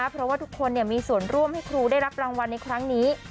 เพราะว่าทุกคนมีส่วนร่วมให้ครูได้รับรางวัลในครั้งนี้